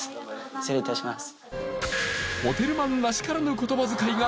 失礼いたします。